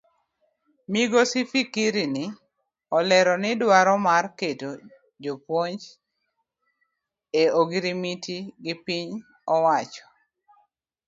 Migosi Fikirini olero ni duaro mar keto jopuonj e ogirimiti gi piny owacho.